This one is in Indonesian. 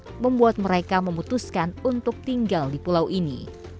dan membuat mereka memutuskan untuk tinggal di pulau ini